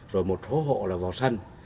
rồi một hộ hộ là vào sân